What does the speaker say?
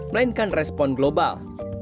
melainkan respon global